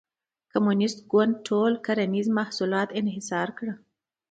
کمونېست ګوند ټول کرنیز محصولات انحصار کړل.